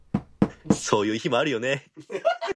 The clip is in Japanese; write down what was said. そういう日もあるよね